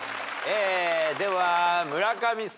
では村上さん。